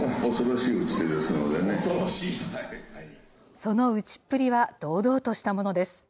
その打ちっぷりは堂々としたものです。